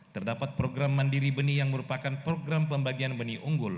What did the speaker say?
terdapat program mandiri benih yang merupakan program pembagian benih unggul